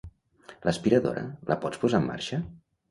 L'aspiradora, la pots posar en marxa?